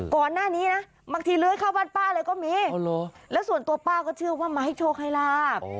ก่อนหน้านี้นะบางทีเลื้อยเข้าบ้านป้าเลยก็มีแล้วส่วนตัวป้าก็เชื่อว่ามาให้โชคให้ลาบ